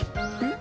ん？